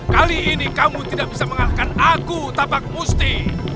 kali ini kamu tidak bisa mengalahkan aku tapak musti